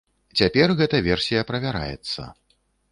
Цяпер гэта версія правяраецца.